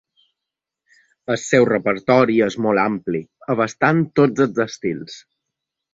El seu repertori és molt ampli, abastant tots els estils.